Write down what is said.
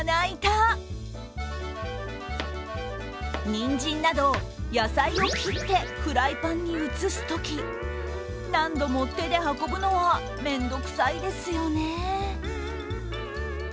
にんじんなど野菜を切ってフライパンに移すとき何度も手で運ぶのは面倒くさいですよね。